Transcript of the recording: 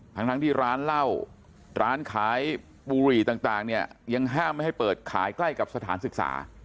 ทั้งที่ร้านเหล้าร้านขายบุหรี่ต่างเนี่ยยังห้ามไม่ให้เปิดขายใกล้กับสถานศึกษา